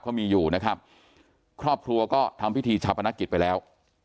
เขามีอยู่นะครับครอบครัวก็ทำพิธีชาปนกิจไปแล้ว